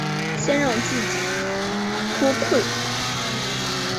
先让自己脱困